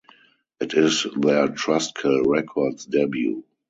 It is their Trustkill Records debut.